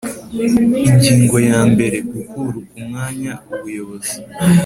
Ingingo ya mbere Gukura ku mwanya ubuyobozi